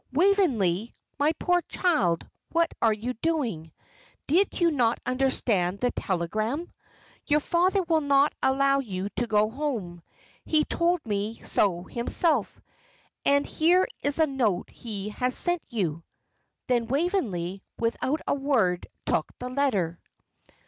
"Waveney, my poor child, what are you doing? Did you not understand the telegram? Your father will not allow you to go home he told me so himself; and here is a note he has sent you." Then Waveney, without a word, took the letter.